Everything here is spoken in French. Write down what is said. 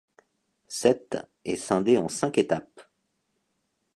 Cette est scindée en cinq étapes.